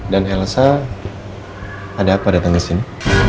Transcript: dan elsa ada apa datang ke sini